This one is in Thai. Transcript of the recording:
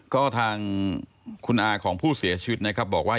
ก็ทางคุณอาของผู้เสียชีวิตนะครับบอกว่า